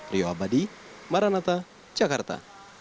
rio abadi maranata jakarta